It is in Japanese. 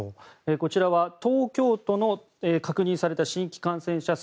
こちらは東京都で確認された新規感染者数。